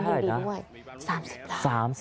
ได้นะ